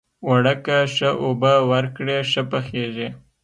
اوړه که ښه اوبه ورکړې، ښه پخیږي